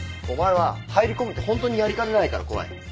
お前は入り込むとホントにやりかねないから怖い。